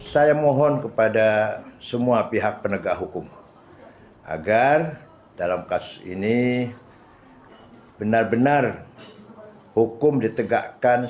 saya mohon kepada semua pihak penegak hukum agar dalam kasus ini benar benar hukum ditegakkan